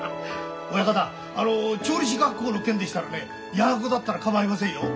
親方調理師学校の件でしたらね夜学だったら構いませんよ。